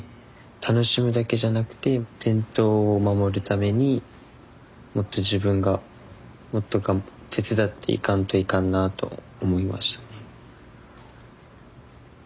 楽しむだけじゃなくて伝統を守るためにもっと自分がもっと手伝っていかんといかんなあと思いましたね。